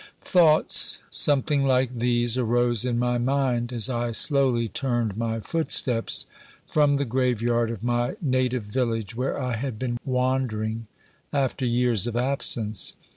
Thoughts something like these arose in my mind as I slowly turned my footsteps from the graveyard of my native village, where I had been wandering after years of absence.